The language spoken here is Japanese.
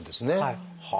はい。